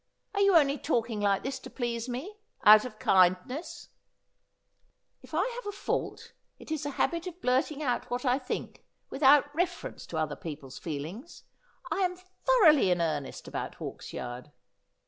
' Are you only talking like this to please me — out of kindness ?'' If I have a fault it is a habit of blurting out what I think, without reference to other people's feelings. I am thoroughly in earnest about Hawksyard.'